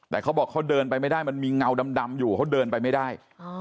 แต่เขาบอกเขาเดินไปไม่ได้มันมีเงาดำอยู่เขาเดินไปไม่ได้